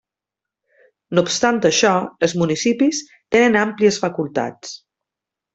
No obstant això, els municipis tenen àmplies facultats.